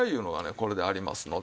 これでありますので。